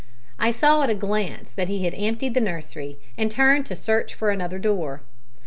I saw at a glance that he had emptied the nursery, and turned to search for another door.